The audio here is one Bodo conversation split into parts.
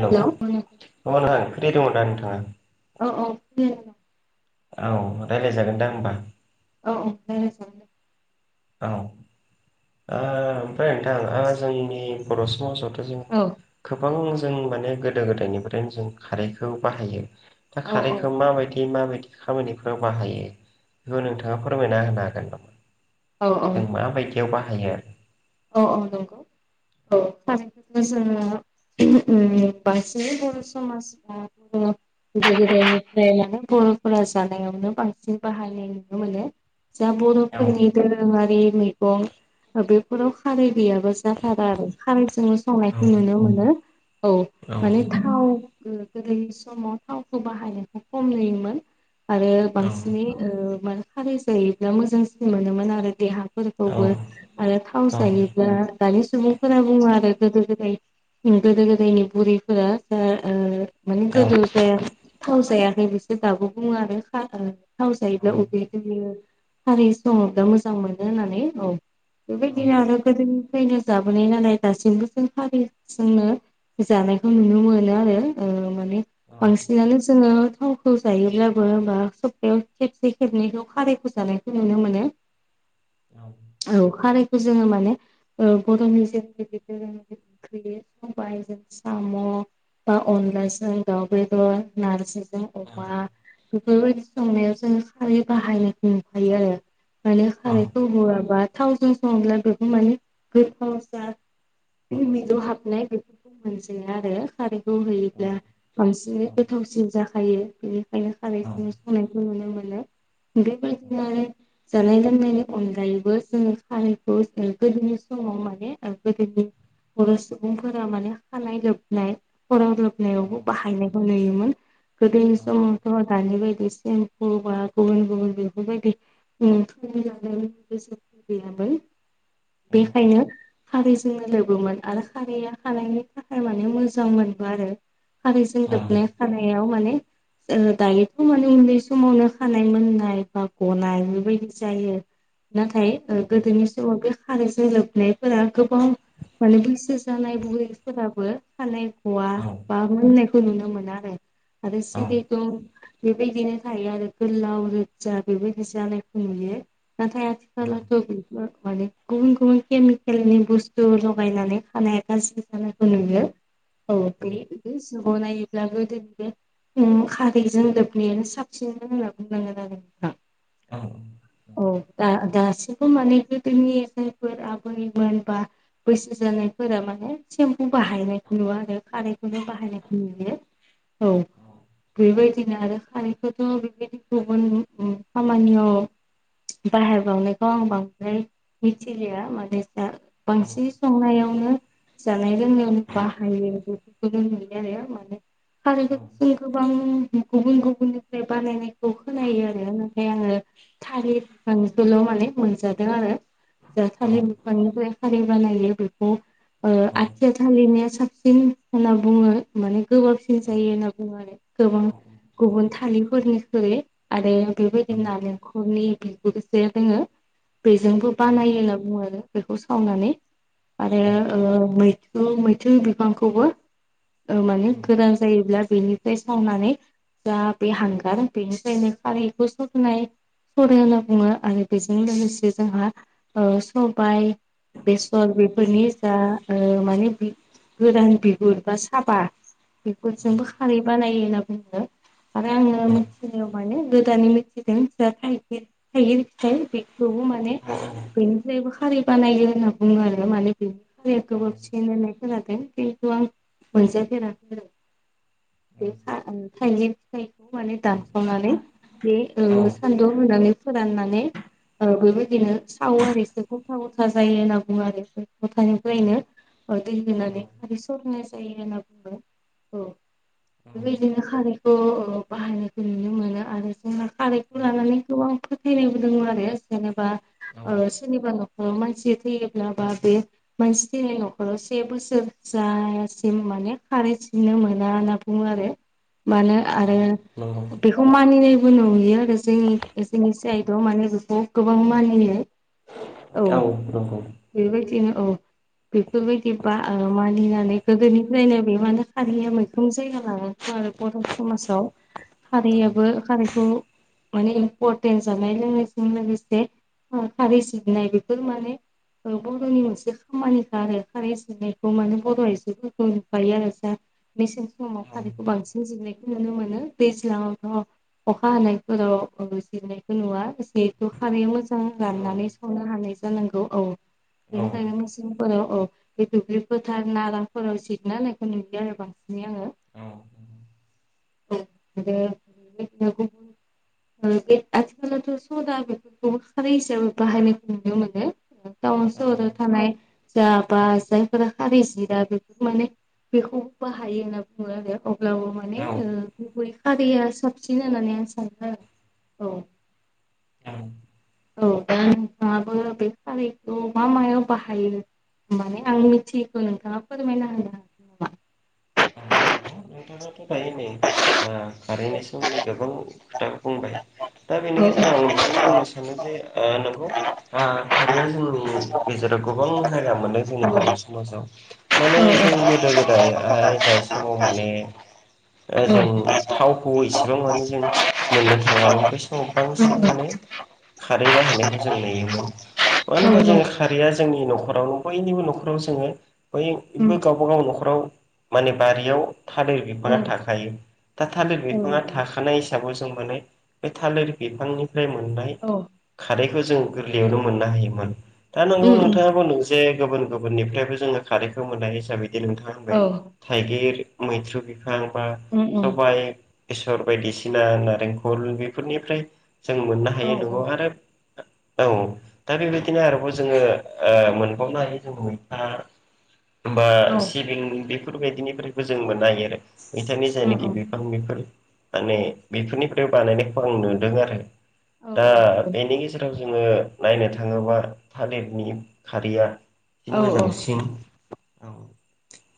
हेल' हेलौ औ अ नोंथां फ्रि दङ' दा नोंथाङा? औ औ दे औ रायलायजागोन दां होमबा? औ औ रायलायजागोन। औ ओ ओमफ्राय नोंथां ओ जोंनि बर' समाजावथ' जों औ गोबां जों माने गोदो-गोदायनिफ्रायनो जों खारैखौ बाहायो। दा औ खारैखो माबायदि माबायदि खामानिफोराव बाहायो बेखौ नोंथाङा फोरमायना होनो हागोन नामा? औ जों औ माबायदियाव बाहायो औ औ नंगौ। औ [unintelligible] जोङो [unintelligible] बांसिनै बर' समाजाव [unintelligible] गोदो-गोदायनिफ्राय माने बर'फोरा जानायावनो बांसिन बाहायनाय नुनो मोनो। जा बर'फोरनि दोरोङारि मैगं ओ बेफोराव खारै गैयाबा जाथारा आरो खारै औ संनायखौ नुनो मोनो औ माने थाव गोदोनि समाव थावखौ बाहायनायखौ खम नुयोमोन। आरो औ बांसिनै ओ माने खारै जायोब्ला मोजांसिन मोनोमोन आरो देहा औ फोरखौबो आरो थाव औ जायोब्ला दानि सुबुंफोरा बुङो आरो गोदो-गोदाय गोदो-गोदायनि बुरैफोरा जा ओ ओ माने गोदो जाया थाव जायाखै बिसोर दाबो बुङो आरो खा ओ थाव जायोब्ला उदै गिलिर खारि सङोब्ला मोजां मोनो होननानै औ दिन आरो गोदोनिफ्रायनो जाबोनाय नालाय दासिमबो जों खारैजोंनो जानायखौ नुनो मोनो आरो ओ माने बांसिनानो जोङो थाव खौ जायोब्लाबो होमबा सप्तायाव खेबसे खेबनैखौ खारैखौ जानायखौ नुनो मोनो। औ खारैखौ जोङो माने ओ बर'नि जे [unintelligible] ओंख्रि बै सबायजों साम' बा अनलाजों दाउ बेदर, नारजिजों अमा बेफोर बायदि संनायाव जों खारै बाहायनायखौ नुखायो आरो। माने खारैखौ होआबा थावजों सङोब्ला बेखौ माने गोथाव जा मिदौ हाबनाय बेफोरखौ मोनजाया आरो खारैखौ होयोब्ला बांसिनै गोथावसिन जाखायो बेनिखायनो औ खारैजों संनायखौ नुनो मोनो बेबायदि आरो जानाय लोंनायनि अनगायैबो जों खारैखौ गोदोनि समाव माने ओ गोदोनि बर' सुबुंफोरा माने खानाय लोबनाय खर' औ औ लोबनायावबो बाहायनायखौ नुयोमोन गोदोनि औ नंगौ समावथ' दानि बायदि सेम्पु बा गुबुन गुबुन बेफोरबायदि [unintelligible] गैयामोन बेखायनो [unintelligible] खारैजोंनो लोगोमोन आरो खारैया हानायनि थाखाय माने मोजां मोनबो आरो हारिजों औ जोबनाय खानायाव माने दायोथ' माने उन्दै समावनो खानाय मोननाय बा गनाय बेबायदि जायो नाथाय गोदोनि समाव बे खारैजों लोबनायफोरा गोबां माने बैसो जानाय बुरैफोराबो खानाय ग'वा औ बा मोननायखौ नुनो मोनो आरो आरो सिरि दं बेबायदिनो थायो आरो गोलाव रोजा बेबायदि जानायखौ नुयो नाथाय आथिखालाव [unintelligible] माने गुबुन गुबुन केमिकेलनि बुस्थु लगायनानै खानाया गाज्रि जानायखौ नुयो औ [unintelligible] खारैजों लोबनायानो साबसिन होनना बुंनांगोन आरो नोंथां औ औ दा दासिमबो माने गोदोनि जायफोर आबैमोन बा बैसो जानायफोरा माने सेम्पु बाहायनायखौ नुवा आरो खारैखौनो बाहायनायखौ नुयो औ बेबायदिनो आरो खारैखौथ' बेबायदि गुबुन खामानियाव बाहाय बावनायखौ आं बांद्राय मिथिलिया माने बांसिन संनायावनो जानाय लोंनायावनो बाहायो बेफोरखौनो नुयो आरो माने खारैखौ जों गोबां गुबुन गुबुननिफ्राय बानायनायखौ खोनायो आरो ओमफ्राय आङो थालिरखौल' माने मोनजादों आरो जा थालिर बिनिफ्राय खारै बानायनायफोरखौ ओ आथिया थालिरनिया साब सिन होनना बुङो माने गोबाबसिन जायो होनना बुङो आरो गोबां गुबुन थलिरफोरनिख्रुइ आरो बेबायदिनो नेंखरनि बिगुर जे दङ बेजोंबो बानायो होनना बुङो आरो बेखौ सावनानै आरो ओ मै थु मैथु बिफांखौबो माने गोरान जायोब्ला बेनिफ्राय सावनानै जा बे हांगार बेनिफायनो खारहैखौ सरनाय सरो होनना बुङो आरो बेजों लोगोसे जोंहा ओ सबाइ बेसर बेफोरनि जा ओ माने गोरान बिगुर बा साबा बेफोरजोंबो खारै बानायो होनना बुङो आरो आङो मिथिनायाव माने गोदानै मिथिदों [unintelligible] थाइगिर फिथाइ बे खौबो माने बेनिफ्रायबो खारै बानायो होनना बुङो आरो माने बेनिफ्राय गोबाबसिन होननाय खोनादों खिन्थु आं मोनजाफेराखै बे थाइगिर फिथाइखौ माने दानखावनानै बे ओ सान्दुङाव होननानै फोराननानै औ बेबायदिनो सावो आरो एसे गथा गथा जायो होनना बुङो आरो बे गथानिफ्रायनो दै होनानै खारै सरनाय जायो होनना बुङो औ बेबायदिनो खारै उ उ बाहायनायखौ नुनो मोनो आरो जोंना खा [unintelligible] रैखौ लानानै आं फोथायनायबो दङ आरो जेनेबा सोरनिबा ओ न' ओ मानसि थैयोब्ला बा बे मानसि थैनाय न'खराव से बोसोर जायासिम माने खारै सिननो मोना होनना बुङो आरो। मानो आरो बेखौ मानिनायबो नुयो आरो जोंनि जोंनि सायेदाव माने बेखौ गोबां मानियो औ नंगौ। बेबायदिनो औ बेफोरबायदि बा मानिनानै गोदोनिफ्रायनो बे मानो खारैया मैखोम जायगा लानानै दं आरो। बर' समाजाव खारैयाबो खारैखौ माने इम्परटेन जानाय लोंनायजों लोगोसे खारै जिरनाय बेफोर माने बर'नि मोनसे खामानिखा आरो खारै सिननायखौ माने बर' आइजोफोरखौ नुखायो आरो जा मेसें समाव खारैखौ बांसिन जिरनायखौ नुनो मोनो दैज्लाङावथ' अखा हानायफोराव जिरनायखौ नुवा जिहेथु खारैया मोजां राननानै संनो हानाय जानांगौ औ बेनि खायनो मेचिनफोराव औ बे दुब्लि फोथार नाराफोराव जिरना होननायखौ नुयो आरो बांसिनै आङो। े [unintelligible] बे आथिखालावथ सदा बेफोरखौबो खानाय हिसाबै बाहायनायखौ नुनो मोनो। टाउन सहराव थानाय जा बा जायफोरा खारै जिरा बेफोर माने बेफोरखौ बोहायो होनना बुंङो आरोे अब्लाबो मा ने गुबै खारैया साबसिन होननानै आं सानो आरो औ औ औ दा नोंथाङा बो बे खारैखौ मा मायाव बाहायो होनान आं मिथियैखौ नोंथाङा फोरमायना होनो औ [unintelligible] नोंथाङाथ दायो नै ओ कारेन्नि सोमोन्दै गोबां खोथा बुंबाय। दा नामा? औ बेनि गेजेराव आं बेखौनो बुंनो सानो जे ओ नंगौ। खारैया जोंनि गेजेराव गोबां जायगा मोनदों जोंनि औ बर' समाजाव। माने जों गोदो गोदायहाय जाय समाव माने ओ जों थावखौ औ इसेबां माने जों मोननो थाङामोन बै समाव बांसिन माने खारै बाहायनायखौ जों नुयोमोन मानो होनबा जों खारैया जोंनि न'खराव बयनिबो न'खराव जोङो बयबो गावबाागाव न'खराव माने बारियाव थालिर बिफाङा थाखायो। दा थालिर बिफाङा थाखानाय हिसाबाव जों माने बे थालिर बिफांनिफ्राय मोननाय खारैखौ जों गोरलैयावनो मोननो हायोमोन। दा नोंगौ नोंथाङाबो नों जे गुबुन गुबुननिफ्रायबो जोङो खारैखौ मोननाय हिसाबैदि नोंथाङा औ होनबाय थाइगिर मैथ्रु बिफां बा सबाइ बेसर बायदिसिना नारेंखल बेफोरनिफ्राय जों मोननो हायो नंगौ आरो औ दा बेबायदिनो आरोबाव जोङो ओ मोनबावनो हायो जों मैथा बा सिबिं बे बेफोरबायदिनिफ्रायबो जों आरो बिथांनि जायनाखि बिफां बिफोर माने बेफोरनिफ्राय बानायनायखौ आं नुदों आरो। दा बेनि गेजेराव जोङो नायनो थाङोबा थालिरनि खारैया जि मोजांसिन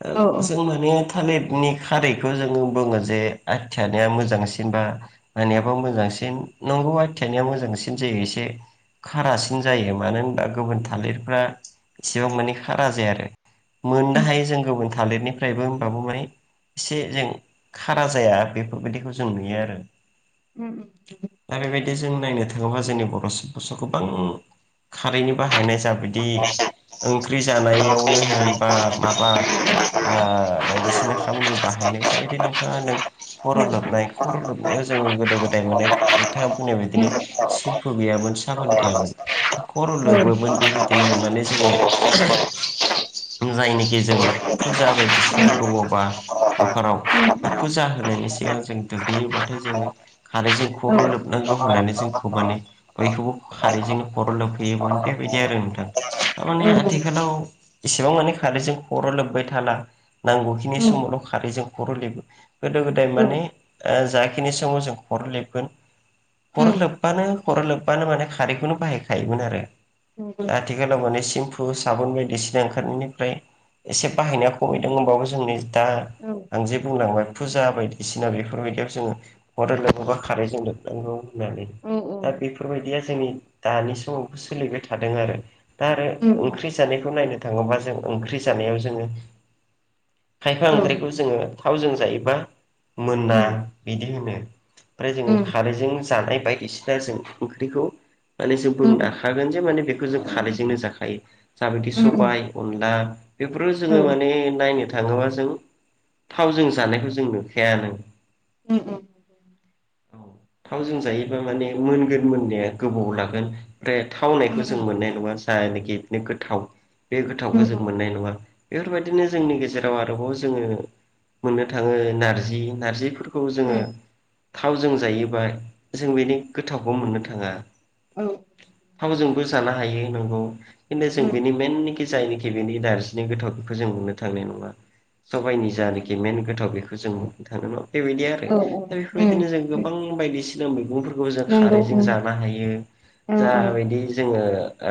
औ जों माने थालिरनि खारैखौ जोङो बुङो जे आथियानिया मोजांसिन बा मानियाबो मोजांसिन नंगौ आथियानिया मोजांसिन जायो एसे। खारासिन जायो मानो होनबा गुबुन थालिरफ्रा एसेबां माने खारा जाया आरो। मोननो हायो जों गुबुन थालिरनिफ्रायबो होमबाबो माने एसे जों खारा जाया बेफोरबायदिखौ जों नुयो आरो। उम उम दा बेबायदि जों नायनो थाङोबा जोंनि बर' सुबुं समाजाव गोबां खारैनो बाहायनाय जाबाय बिदि ओंख्रि जानायावनो होन बा माबा आ बायदिसिना खामानियाव बाहायनाय हिसाबायदि नोंथाङा नों खर लोबनाय खर लोबनायाव जोङो गोदो गोदाय माने नोंथाङा बुंनायाव बिदिनो सिम फु गैयामोन साबोन गैयामोन खर लोबोमोन बेबायदिनो माने जोङो जायनिखि जों फुजा बायदिसिना दङबा न'खराव फुजा होनायनि सिगां जों दुगैयोबाथाय जोङो खारैजों खर लोबनांगौ होननानै जोंखौ माने बयखौबो खारैजोंनो खर लोबहोयोमोन बेबायदि आरो नोंथां थारमाने आथिखालाव एसेबां माने खारैजों खर लोबबाय था ला नांगौहिनाय समावल खारैजों खर लोबो गोदो गोदाय माने जाखिनि समाव जों खर लेबगोन खर लोबबानो खर लोबबानो माने खारैखौनो बाहायखायोमोन आरो औ दा औ आथिखालाव माने सेम्फु साबुन बायदिसिना ओंखारनायनिफ्राय एसे बाहायनाया खमिदों होनबाबो जोंनि दा औ आंजे बुंलांबाय फुजा बायदिसिना बेफोरबायदियाव जोङो खर लोबोबा खारैजों लोबनांगौ होननानै दा औ बेफोरबायदिया जोंनि दानि समावबो सोलिबाय थादों आरो दा आरो ओंख्रि जानायखौ नायनो थाङोब्ला जों ओंख्रि जानायाव जोङो खायफा औ ओंख्रिखौ जोङो थावजों जायोबा मोना बिदि होनो ओमफ्राय जोङो खारैजों जानाय बायदिसिना जों ओंख्रिखौ माने जों बुंनो हाखागोन जे माने बेखौ जों खाजोंनो जाखायो जाबायदि सबाय अनला बेफोर जोङो माने नायनो थाङोबा जों थावजों जानायखौ जों नुखायानो उम उम थावजों जायोबा माने मोनगोन मोननाया गोबाव लागोन ओमफ्राय थावनायखौ जों मोननाय नङा जायानखि बिदिनो गोथाव बे गोथावखौ जों मोननाय नङा बेफोरबायदिनो जोंनि गेजेराव आरोबाव जोङो मोननो थाङो नारजि नारजिफोरखौ जोङो उम थावजों जायोबा जों बेनि गोथावखौ मोननो थाङा औ थावजोंबो जानो हायो नोंगौ खिन्थु जों बेनि मेननिखि जायनिखि बेनि नार्जिनि गोथाव बेखौ जों बुंनो थांनाय नङा सबाइनि जानखि मेन गोथाव बेखौ जों बुंनो थाङोल बेबायदि आरो औ उम दा बेफोरबायदिनो जों गोबां बायदिसिना मैगंफोर खौ जों नंगौ खारैजों जानो हायो औ औ जाबायदि जोङो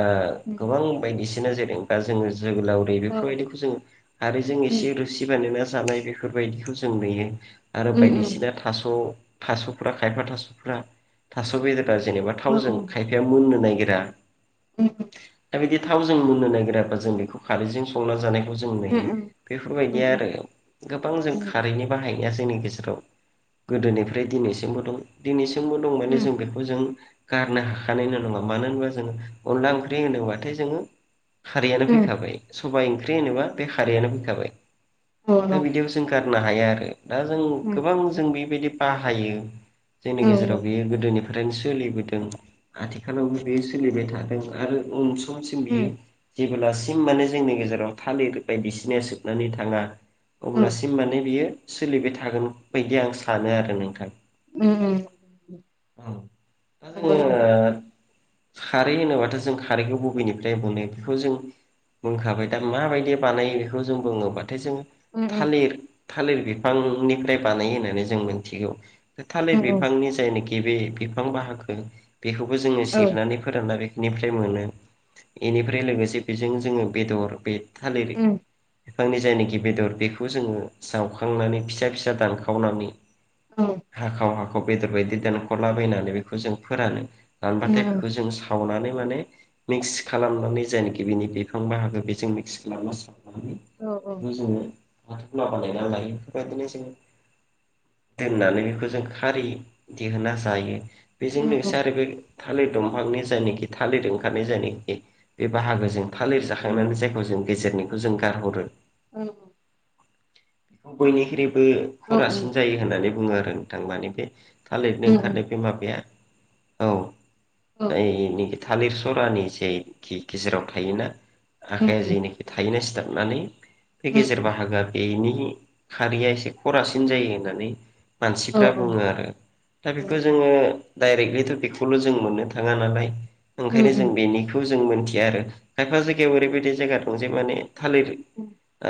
ओ उम गोबां बायदिसिना जेरै जादों बा जोङो जोगलावरि औ बेफोरबायदि जों आरोजों एसे रोसि बानाय ना जानाय बेफोरबायदिखौ जों नुयो आरो उम उम बायदिसिना थास थासफ्रा खायफा थासफ्रा थास बेदरा जेनेबा औ औ थावजों खायफाया मोननो नागिरा उम दा बिदि थाव जों मोनुनो नागिराबा जों बेखौ खारैजों संना जानायखौ जों उम नुयो उम बेफोरबायदिया आरो गोबां जों खारैनि बाहायनाया जोंनि गेजेराव गोदोनिफ्राय दिनैसिमबो दं दिनैसिमबो दं उम माने उम जों बेखौ जों गारनो हाखानायनो नङा मानो होनबा जोङो अनला ओंख्रि होनोब्लाथाय जोङो खारैयानो फैखाबाय सबाइ ओंख्रि होनोबा बे खारैयानो फैखाबाय दा बिदियाव जों गारनो हाया आरो दा जों गोबां जों बेबायदि बाहायो जोंनि गेजेराव बियो गोदोनिफ्रायनो सोलिबोदों आथिखालावबो बेयो सोलिबाय थादों आरो उन समसिम बियो जेब्लासिम माने जोंनि गेजेराव थालिर बायदिसिनाय जोबनानै थाङा औ अब्लासिम माने बियो सोलिबाय थागोन बायदि आं सानो आरो नोंथां उम। औ नंगौ उम उम दा औ जोङो। खारै होनोबाथ' जों खारैखौ बबेनिफ्राय मोननो बेखौ जों बुंखाबाय दा। माबायदि बानायो बेखौ जों बुङोब्लाथाय जों उम नंगौ उम उम थालिर। थालिर बिफांनिफ्राय बानायो होननानै जों मोनथिगौ। थालिर उम बिफांनि जायनाखि बे बिफां बाहागो बेखौबो जोङो जिरनानै फोराना बेनिफ्राय मोनो बेनिफ्राय लोगोसे बेजों जोङो बेदर। बे थालिर औ उम औ उम बिफांनि जायनाखि बेदर बेखौ जोङो जावखांनानै फिसा फिसा दानखावनानै। हाखाव हाखाव बेदर बायदि दानख'लाबायनानै बेखौ जों फोरानो। रानबाथाय बेखौ जों सावनानै माने मिक्स खालामनानै जायनो बिनि बिफां बाहागो बे मिस खालाम सनानै औ औ। बेखौ जोङो हाथफ्ला बानायायनानै लायो। बेफोरबायदिनो जों दोननानै बेखौ जों खारै दिहुनना जायो। बेजों उम औ लोगोसे आरो बे थालिर दंफांनि जायनाखि थालिर ओंखारनाय जायनाखि बे बाहागो जों थालिर जाखांनानै जायखौ जों गेजेरनिखौ जों गारहरो। ओं। बयनिख्रुइबो खरासिन जायो। होननानै बुङो आरो नोंथां मानि बे थालिरनि ओंखारनाय बे माबाया औ। जायनिखि थालिर सरानि जे गे गेजेराव थायोना। जेनोखि थायोना सिथाबनानै। बे गेजेर बाहागोया बेनि खारैया एसे खरासिन जायो होननानै मानसिफ्रा बुङो आरो दा बेखौ जोङो डायरेक्टलिथ' बेखौल' जों मोननो थाङा नालाय ओंखायनो जों बेनि खौ जों मोनथिया आरो खायफा जायगायाव ओरैबायदि जायगा दं जे माने थालिर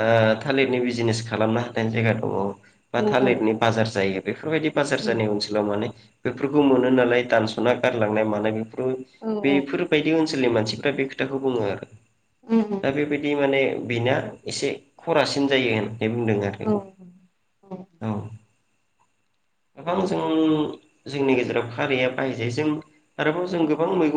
ओ थालिरनि बिजिनेस खालामनो हानाय जायगा दङ। बा थालिरनि बाजार जायो बेफोरबायदि बाजार जानाय ओनसोलाव माने बेफोरखौ मोनो नालाय दानस'ना गारलांनाय मानाय बेफोरखौ बेफोरबायदि ओनसोलनि मानसिफ्रा बे खोथाखौ बुङो आरो। दा बेबायदि माने बेना एसे खरासिन जायो होननानै बुंदों आरो। औ। गोबां जों जोंनि गेजेराव खारैया बाहायजायो जों आरोबाव जों गोबां मैगं